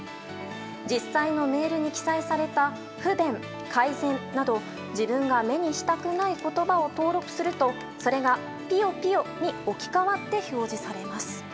実際のメールに記載された不便・改善など自分が目にしたくない言葉を登録するとそれが、ぴよぴよに置き換わって表示されます。